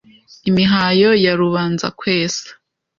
Imihayo ya Rubanzakwesa